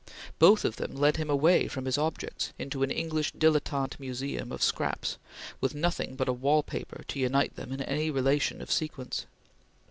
Both of them led him away from his objects, into an English dilettante museum of scraps, with nothing but a wall paper to unite them in any relation of sequence.